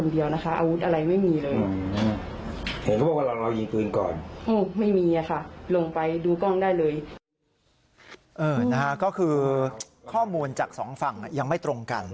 ก็คือข้อมูลจากสองฝั่งยังไม่ตรงกัน